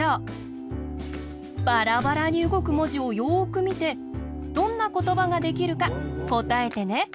バラバラにうごくもじをよくみてどんなことばができるかこたえてね。